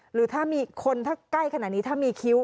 หรือถ้ามีคนถ้าใกล้ขนาดนี้ถ้ามีคิ้ว